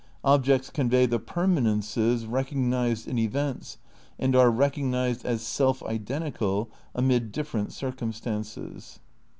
Objects convey the permanences recognised in events and are recognised as self identi cal amid different circumstances."'